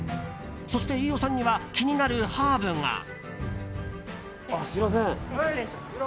そして、飯尾さんには気になるハーブが。